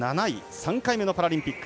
３回目のパラリンピック。